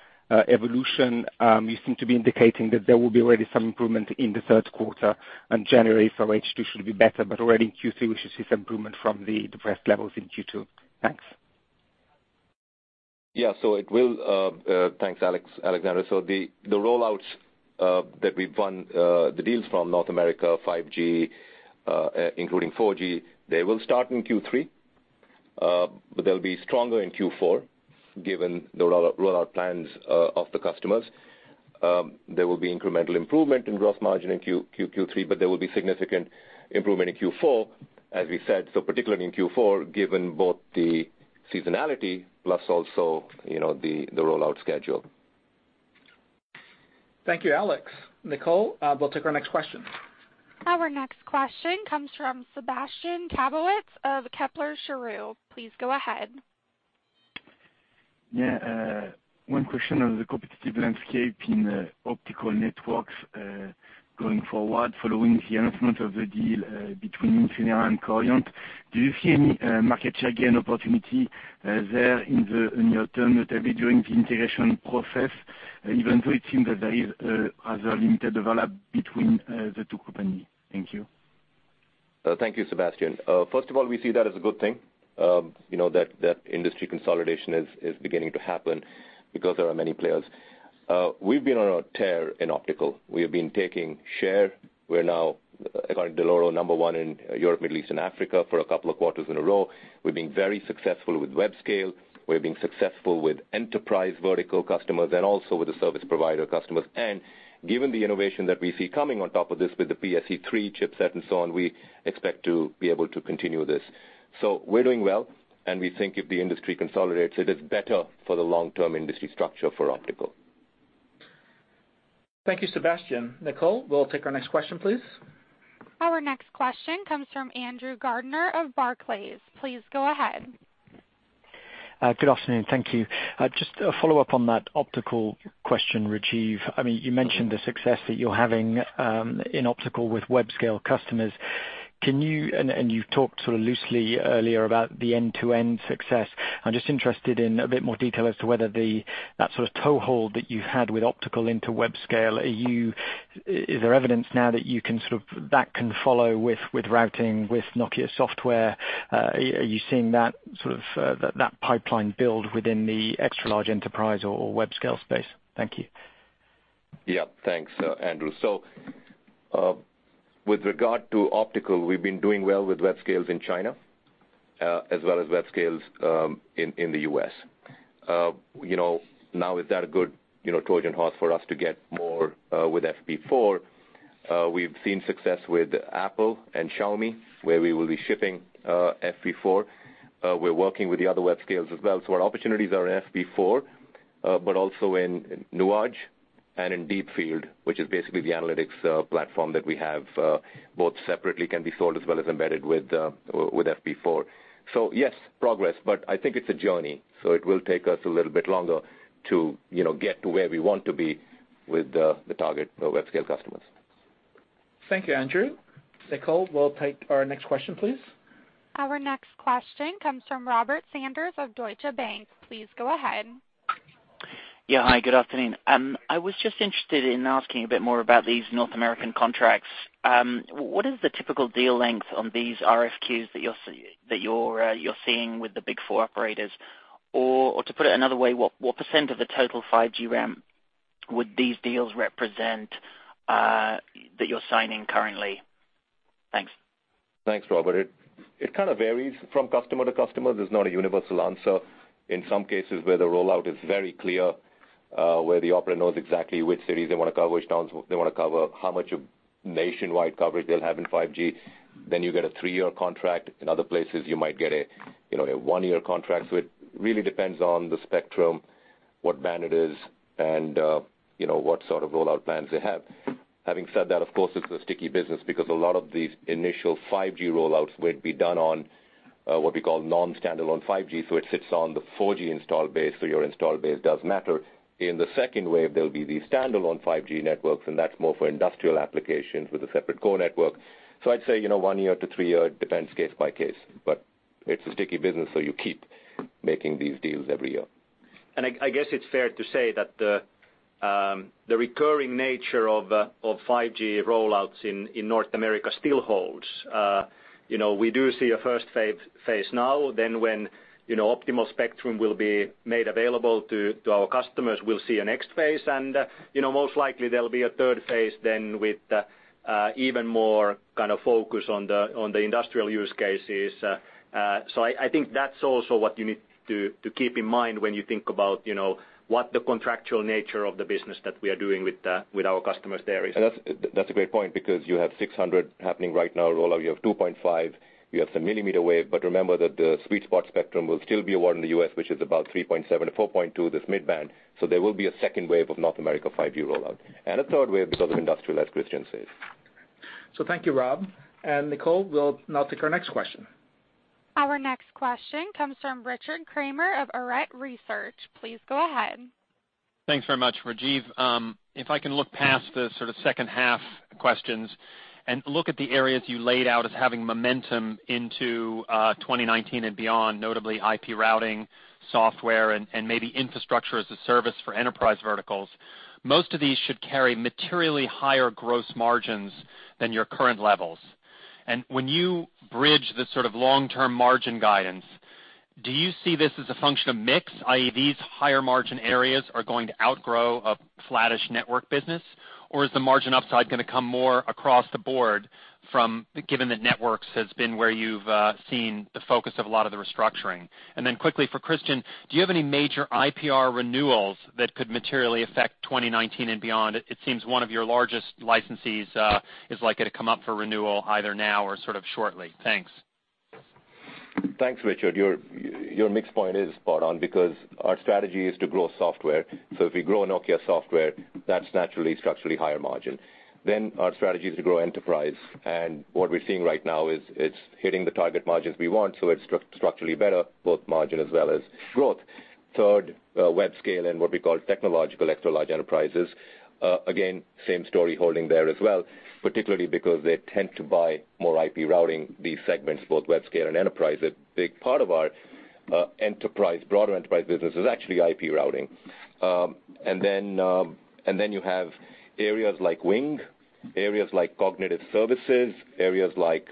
evolution, you seem to be indicating that there will be already some improvement in the third quarter and Q4, so H2 should be better, but already in Q3 we should see some improvement from the depressed levels in Q2. Thanks. Yeah. Thanks, Aleksander. The roll-outs that we've won, the deals from North America, 5G, including 4G, they will start in Q3. They'll be stronger in Q4 given the roll-out plans of the customers. There will be incremental improvement in gross margin in Q3. There will be significant improvement in Q4, as we said. Particularly in Q4, given both the seasonality plus also the roll-out schedule. Thank you, Alex. Nicole, we'll take our next question. Our next question comes from Sébastien Sztabowicz of Kepler Cheuvreux. Please go ahead. One question on the competitive landscape in optical networks, going forward following the announcement of the deal between Infinera and Coriant. Do you see any market share gain opportunity there in the near term, maybe during the integration process, even though it seems that there is other limited overlap between the two company? Thank you. Thank you, Sébastien. First of all, we see that as a good thing, that industry consolidation is beginning to happen because there are many players. We've been on a tear in optical. We have been taking share. We're now, according to Dell'Oro, number 1 in Europe, Middle East, and Africa for a couple of quarters in a row. We've been very successful with web scale. We've been successful with enterprise vertical customers and also with the service provider customers. Given the innovation that we see coming on top of this with the PSE-3 chipset and so on, we expect to be able to continue this. We're doing well, and we think if the industry consolidates, it is better for the long-term industry structure for optical. Thank you, Sébastien. Nicole, we'll take our next question, please. Our next question comes from Andrew Gardiner of Barclays. Please go ahead. Good afternoon. Thank you. Just a follow-up on that optical question, Rajeev. You mentioned the success that you're having in optical with web scale customers. You talked sort of loosely earlier about the end-to-end success. I'm just interested in a bit more detail as to whether that sort of toehold that you had with optical into web scale, is there evidence now that that can follow with routing, with Nokia Software? Are you seeing that pipeline build within the extra large enterprise or web scale space? Thank you. Yeah. Thanks, Andrew. With regard to optical, we've been doing well with web scales in China, as well as web scales in the U.S. Now with that a good Trojan horse for us to get more with FP4, we've seen success with Apple and Xiaomi, where we will be shipping FP4. We're working with the other web scales as well. Our opportunities are in FP4, but also in Nuage and in Deepfield, which is basically the analytics platform that we have. Both separately can be sold as well as embedded with FP4. Yes, progress, but I think it's a journey, so it will take us a little bit longer to get to where we want to be with the target web scale customers. Thank you, Andrew. Nicole, we'll take our next question, please. Our next question comes from Robert Sanders of Deutsche Bank. Please go ahead. Yeah. Hi, good afternoon. I was just interested in asking a bit more about these North American contracts. What is the typical deal length on these RFQs that you're seeing with the big four operators? To put it another way, what % of the total 5G TAM would these deals represent that you're signing currently? Thanks. Thanks, Robert. It kind of varies from customer to customer. There's not a universal answer. In some cases where the rollout is very clear, where the operator knows exactly which cities they want to cover, which towns they want to cover, how much nationwide coverage they'll have in 5G, then you get a three-year contract. In other places, you might get a one-year contract. It really depends on the spectrum, what band it is, and what sort of rollout plans they have. Having said that, of course, it's a sticky business because a lot of these initial 5G rollouts would be done on what we call non-standalone 5G, so it sits on the 4G install base, so your install base does matter. In the second wave, there'll be the standalone 5G networks, and that's more for industrial applications with a separate core network. I'd say 1 year-3 year, it depends case by case. It's a sticky business, so you keep making these deals every year. I guess it's fair to say that the recurring nature of 5G rollouts in North America still holds. We do see a first phase now. When optimal spectrum will be made available to our customers, we'll see a next phase, and most likely there'll be a third phase then with even more focus on the industrial use cases. I think that's also what you need to keep in mind when you think about what the contractual nature of the business that we are doing with our customers there is. That's a great point because you have 600 happening right now, rollout, you have 2.5, you have some millimeter wave, but remember that the sweet spot spectrum will still be award in the U.S., which is about 3.7-4.2, this mid-band. There will be a second wave of North America 5G rollout, and a third wave because of industrial, as Kristian says. Thank you, Rob. Nicole, we'll now take our next question. Our next question comes from Richard Kramer of Arete Research. Please go ahead. Thanks very much, Rajeev. If I can look past the sort of second half questions and look at the areas you laid out as having momentum into 2019 and beyond, notably IP routing, software, and maybe infrastructure as a service for enterprise verticals. Most of these should carry materially higher gross margins than your current levels. When you bridge the sort of long-term margin guidance, do you see this as a function of mix, i.e., these higher margin areas are going to outgrow a flattish network business? Or is the margin upside going to come more across the board, given that networks has been where you've seen the focus of a lot of the restructuring? Then quickly for Kristian, do you have any major IPR renewals that could materially affect 2019 and beyond? It seems one of your largest licensees is likely to come up for renewal either now or sort of shortly. Thanks. Thanks, Richard. Your mix point is spot on because our strategy is to grow software. If we grow Nokia Software, that's naturally structurally higher margin. Our strategy is to grow enterprise, and what we're seeing right now is it's hitting the target margins we want, so it's structurally better, both margin as well as growth. Third, web scale and what we call technological, extra large enterprises. Again, same story holding there as well, particularly because they tend to buy more IP routing these segments, both web scale and enterprise. A big part of our broader enterprise business is actually IP routing. Then you have areas like WING, areas like cognitive services, areas like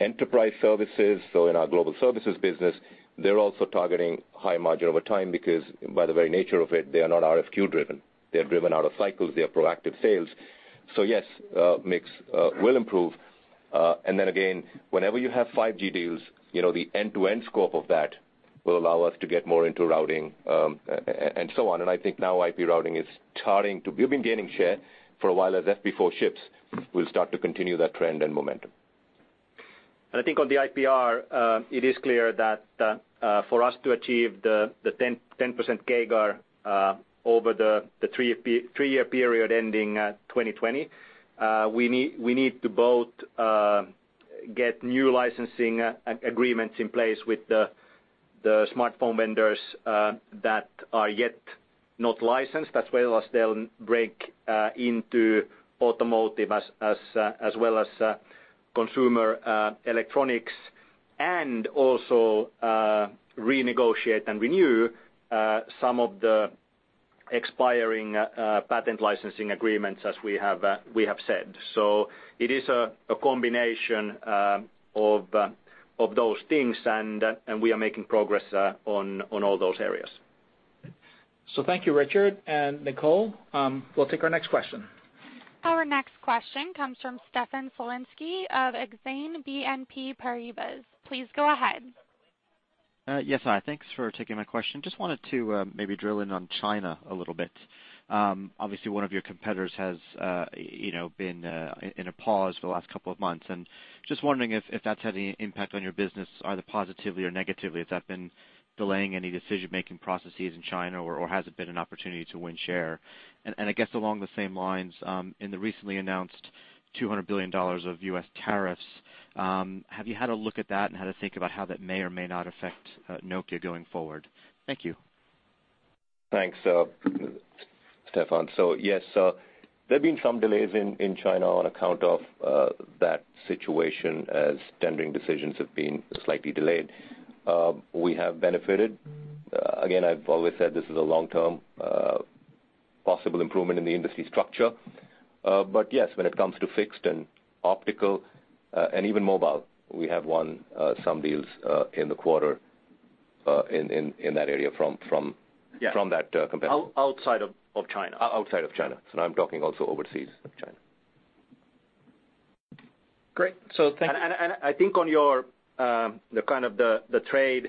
enterprise services. In our global services business, they're also targeting high margin over time because by the very nature of it, they are not RFQ driven. They're driven out of cycles. They are proactive sales. Yes, mix will improve. Then again, whenever you have 5G deals, the end-to-end scope of that will allow us to get more into routing, and so on. I think now IP routing. We've been gaining share for a while as FP4 ships. We'll start to continue that trend and momentum. I think on the IPR, it is clear that for us to achieve the 10% CAGR over the three-year period ending 2020, we need to both get new licensing agreements in place with the smartphone vendors that are yet not licensed as well as they'll break into automotive, as well as consumer electronics, and also renegotiate and renew some of the expiring patent licensing agreements as we have said. It is a combination of those things, and we are making progress on all those areas. Thank you, Richard. Nicole, we'll take our next question. Our next question comes from Stefan Slowinski of Exane BNP Paribas. Please go ahead. Yes, hi. Thanks for taking my question. Just wanted to maybe drill in on China a little bit. Obviously, one of your competitors has been in a pause for the last couple of months, and just wondering if that's had any impact on your business, either positively or negatively. Has that been delaying any decision-making processes in China, or has it been an opportunity to win share? I guess along the same lines, in the recently announced $200 billion of U.S. tariffs, have you had a look at that and had a think about how that may or may not affect Nokia going forward? Thank you. Thanks, Stefan. Yes, there've been some delays in China on account of that situation as tendering decisions have been slightly delayed. We have benefited. Again, I've always said this is a long-term possible improvement in the industry structure. Yes, when it comes to fixed and optical, and even mobile, we have won some deals in the quarter in that area from that competitor. Outside of China. Outside of China. I'm talking also overseas of China. Great. Thank you. I think on your the kind of the trade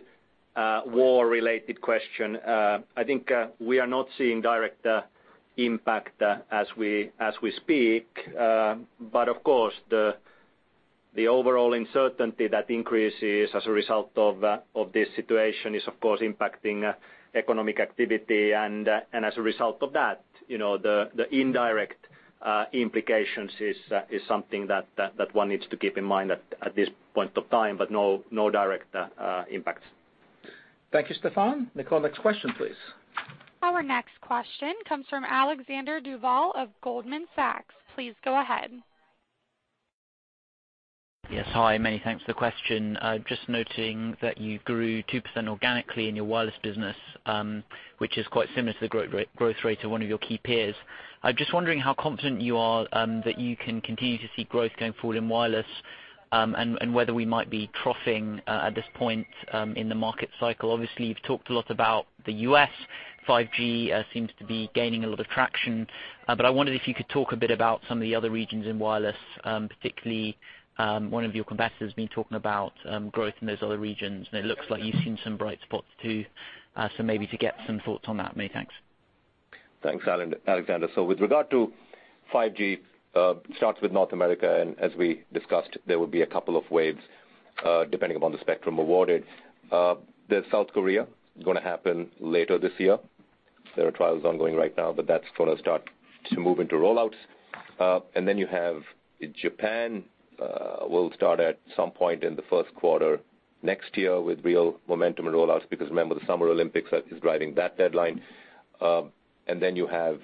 war related question, I think we are not seeing direct impact as we speak. Of course, the overall uncertainty that increases as a result of this situation is, of course, impacting economic activity. As a result of that, the indirect implications is something that one needs to keep in mind at this point of time, but no direct impacts. Thank you, Stefan. Nicole, next question, please. Our next question comes from Alexander Duval of Goldman Sachs. Please go ahead. Yes, hi. Many thanks for the question. Just noting that you grew 2% organically in your wireless business, which is quite similar to the growth rate of one of your key peers. I am just wondering how confident you are that you can continue to see growth going forward in wireless. Whether we might be troughing at this point in the market cycle. Obviously, you have talked a lot about the U.S. 5G seems to be gaining a lot of traction. I wondered if you could talk a bit about some of the other regions in wireless. Particularly, one of your competitors has been talking about growth in those other regions, and it looks like you have seen some bright spots, too. Maybe to get some thoughts on that. Many thanks. Thanks, Alexander. With regard to 5G, it starts with North America, and as we discussed, there will be a couple of waves, depending upon the spectrum awarded. There is South Korea, going to happen later this year. There are trials ongoing right now, but that is going to start to move into roll-outs. You have Japan, will start at some point in the first quarter next year with real momentum and roll-outs, because remember, the Summer Olympics is driving that deadline. You have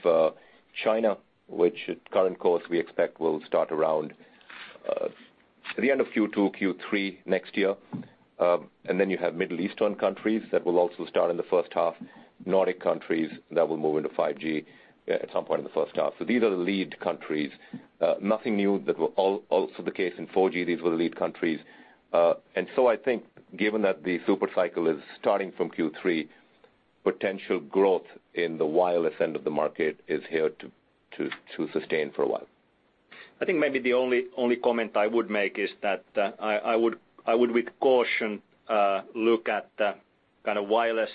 China, which at current course, we expect will start around the end of Q2, Q3 next year. You have Middle Eastern countries that will also start in the first half. Nordic countries that will move into 5G at some point in the first half. These are the lead countries. Nothing new. Also the case in 4G, these were the lead countries. I think given that the super cycle is starting from Q3, potential growth in the wireless end of the market is here to sustain for a while. I think maybe the only comment I would make is that I would, with caution, look at the wireless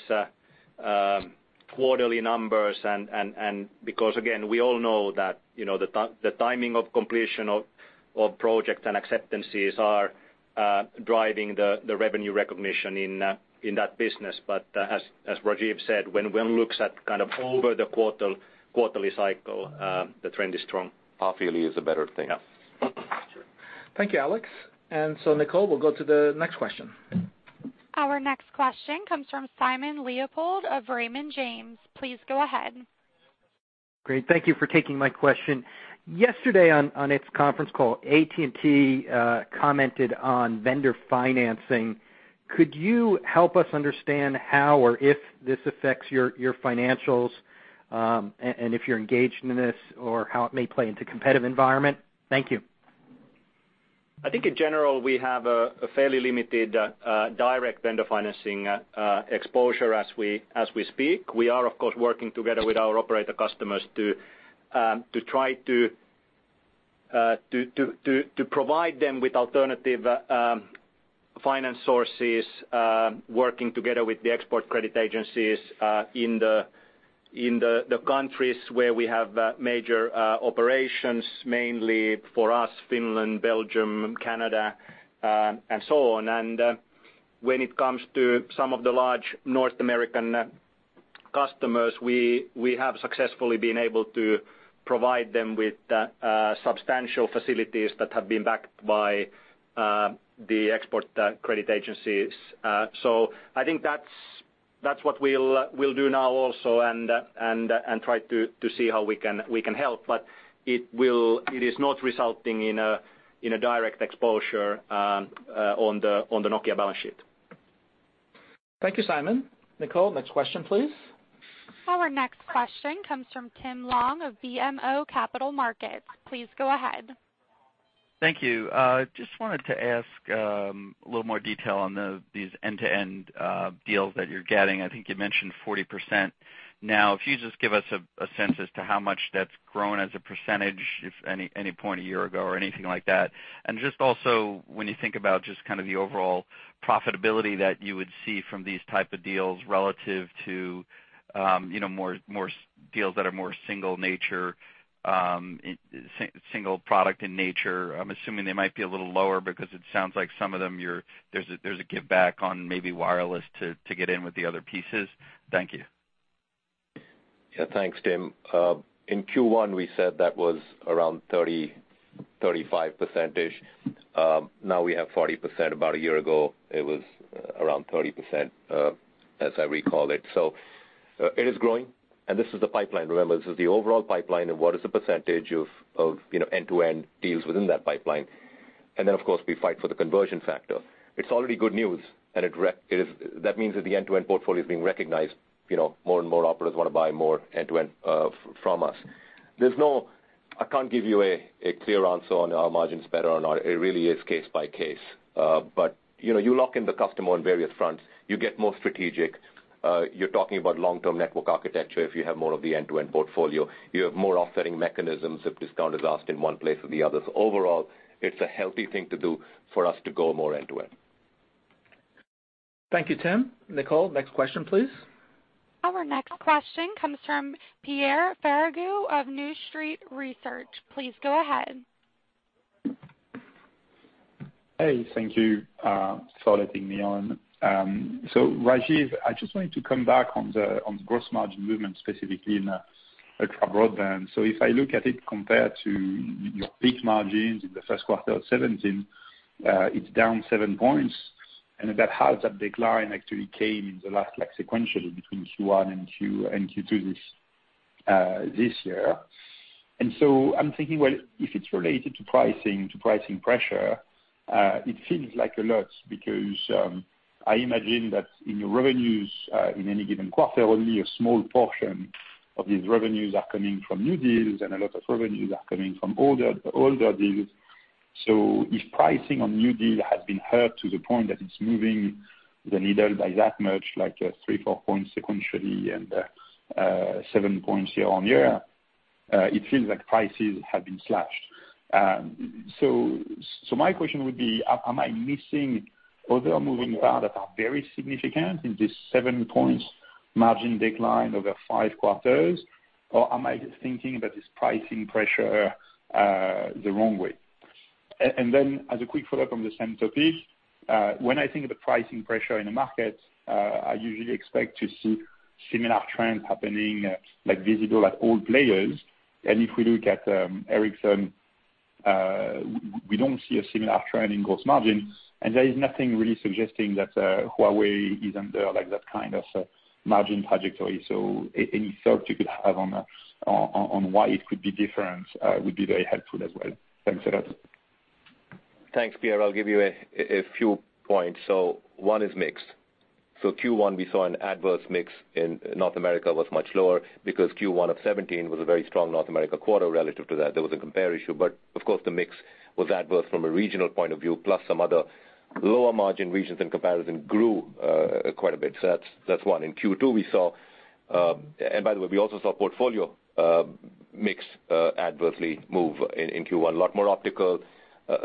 quarterly numbers and because again, we all know that the timing of completion of projects and acceptances are driving the revenue recognition in that business. As Rajeev said, when one looks at over the quarterly cycle, the trend is strong. Half yearly is a better thing. Yeah. Sure. Thank you, Alex. Nicole, we'll go to the next question. Our next question comes from Simon Leopold of Raymond James. Please go ahead. Great. Thank you for taking my question. Yesterday on its conference call, AT&T commented on vendor financing. Could you help us understand how or if this affects your financials, and if you're engaged in this, or how it may play into competitive environment? Thank you. I think in general, we have a fairly limited direct vendor financing exposure as we speak. We are, of course, working together with our operator customers to try to provide them with alternative finance sources, working together with the export credit agencies, in the countries where we have major operations, mainly, for us, Finland, Belgium, Canada, and so on. When it comes to some of the large North American customers, we have successfully been able to provide them with substantial facilities that have been backed by the export credit agencies. I think that's what we'll do now also and try to see how we can help. It is not resulting in a direct exposure on the Nokia balance sheet. Thank you, Simon. Nicole, next question, please. Our next question comes from Tim Long of BMO Capital Markets. Please go ahead. Thank you. Just wanted to ask a little more detail on these end-to-end deals that you're getting. I think you mentioned 40%. Now, if you just give us a sense as to how much that's grown as a percentage, if any point a year ago or anything like that. Just also when you think about just the overall profitability that you would see from these type of deals relative to deals that are more single product in nature. I'm assuming they might be a little lower because it sounds like some of them, there's a give back on maybe wireless to get in with the other pieces. Thank you. Thanks, Tim. In Q1, we said that was around 30%, 35%. Now we have 40%. About a year ago, it was around 30%, as I recall it. It is growing, and this is the pipeline. Remember, this is the overall pipeline and what is the percentage of end-to-end deals within that pipeline. Of course, we fight for the conversion factor. It's already good news, and that means that the end-to-end portfolio is being recognized. More and more operators want to buy more end-to-end from us. I can't give you a clear answer on are margins better or not. It really is case by case. You lock in the customer on various fronts. You get more strategic. You're talking about long-term network architecture if you have more of the end-to-end portfolio. You have more offsetting mechanisms if discount is asked in one place or the other. Overall, it's a healthy thing to do for us to go more end-to-end. Thank you, Tim. Nicole, next question, please. Our next question comes from Pierre Ferragu of New Street Research. Please go ahead. Thank you for letting me on. Rajeev, I just wanted to come back on the gross margin movement, specifically in ultra broadband. If I look at it compared to your peak margins in the first quarter of 2017, it's down 7 points. About half that decline actually came in the last like sequentially between Q1 and Q2 this year. Well, if it's related to pricing pressure, it seems like a lot because I imagine that in your revenues, in any given quarter, only a small portion Of these revenues are coming from new deals and a lot of revenues are coming from older deals. If pricing on new deal has been hurt to the point that it's moving the needle by that much, like 3, 4 points sequentially and 7 points year-over-year, it feels like prices have been slashed. My question would be, am I missing other moving parts that are very significant in this 7 points margin decline over 5 quarters, or am I just thinking about this pricing pressure the wrong way? As a quick follow-up on the same topic, when I think of the pricing pressure in the market, I usually expect to see similar trends happening, like visible at all players. If we look at Ericsson, we don't see a similar trend in gross margin, and there is nothing really suggesting that Huawei is under that kind of margin trajectory. Any thoughts you could have on why it could be different would be very helpful as well. Thanks a lot. Thanks, Pierre. I'll give you a few points. One is mix. Q1, we saw an adverse mix, and North America was much lower because Q1 of 2017 was a very strong North America quarter relative to that. There was a compare issue, of course, the mix was adverse from a regional point of view, plus some other lower margin regions in comparison grew quite a bit. That's one. In Q2, we also saw portfolio mix adversely move in Q1. A lot more optical,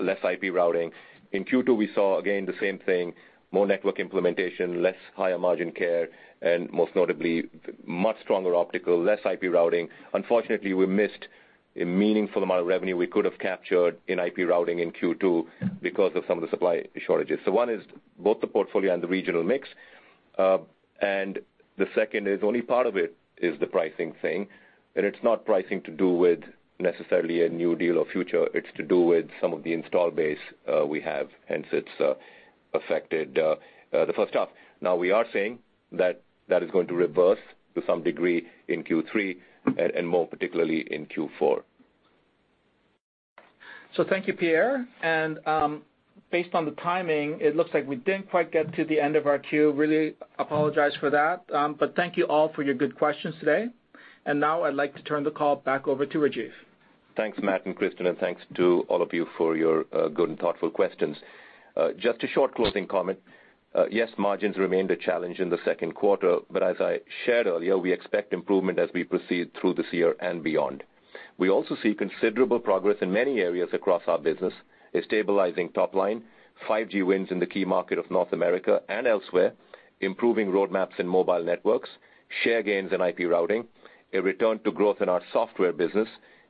less IP routing. In Q2, we saw again, the same thing, more network implementation, less higher margin care, and most notably, much stronger optical, less IP routing. Unfortunately, we missed a meaningful amount of revenue we could have captured in IP routing in Q2 because of some of the supply shortages. One is both the portfolio and the regional mix. The second is only part of it is the pricing thing, and it's not pricing to do with necessarily a new deal or future. It's to do with some of the install base we have, hence it's affected the first half. We are saying that that is going to reverse to some degree in Q3 and more particularly in Q4. Thank you, Pierre. Based on the timing, it looks like we didn't quite get to the end of our queue. Really apologize for that. Thank you all for your good questions today. Now I'd like to turn the call back over to Rajeev. Thanks, Matt and Kristian, and thanks to all of you for your good and thoughtful questions. Just a short closing comment. Yes, margins remained a challenge in the second quarter, but as I shared earlier, we expect improvement as we proceed through this year and beyond. We also see considerable progress in many areas across our business, a stabilizing top line, 5G wins in the key market of North America and elsewhere, improving roadmaps in Mobile Networks, share gains in IP routing, a return to growth in our Nokia Software business,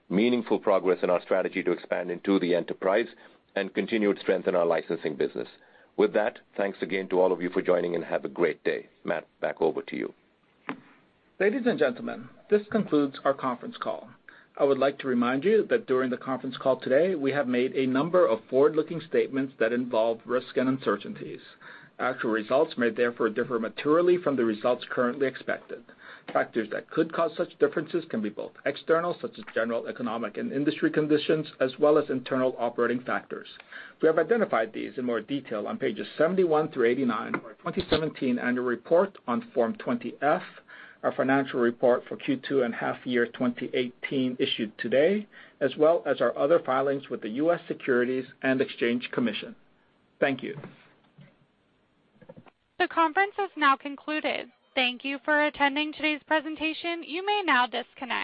meaningful progress in our strategy to expand into the enterprise, and continued strength in our licensing business. With that, thanks again to all of you for joining, and have a great day. Matt, back over to you. Ladies and gentlemen, this concludes our conference call. I would like to remind you that during the conference call today, we have made a number of forward-looking statements that involve risks and uncertainties. Actual results may therefore differ materially from the results currently expected. Factors that could cause such differences can be both external, such as general economic and industry conditions, as well as internal operating factors. We have identified these in more detail on pages 71 through 89 of our 2017 annual report on Form 20-F, our financial report for Q2 and half year 2018 issued today, as well as our other filings with the U.S. Securities and Exchange Commission. Thank you. The conference has now concluded. Thank you for attending today's presentation. You may now disconnect.